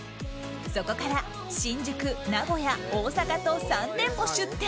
そこから新宿、名古屋、大阪と３店舗出店。